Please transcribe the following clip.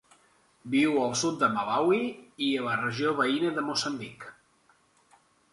Viu al sud de Malawi i a la regió veïna de Moçambic.